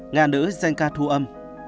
nga nữ danh ca thu âm